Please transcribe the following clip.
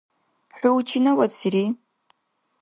ХӀу чинавадсири?